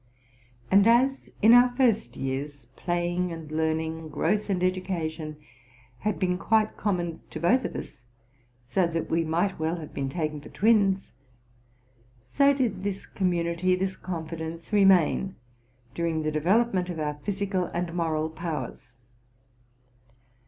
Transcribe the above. And as, in our first years, playing and learning, growth and education, had been quite common to both of us, so that we might well have been taken for twins, so did this commu nity, this confidence, remain during the development of our physical and moral powers.